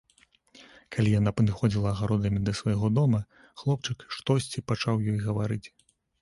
Калі яна падыходзіла агародамі да свайго дома, хлопчык штосьці пачаў ёй гаварыць.